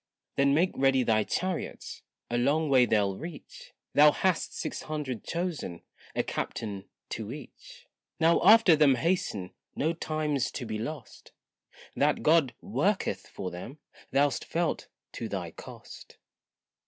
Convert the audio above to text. Then make ready thy chariots, a long way they'll reach; Thou hast six hundred chosen, a captain to each. Now after them hasten, no time's to be lost, That God worketh for them, thou'st felt to thy cost.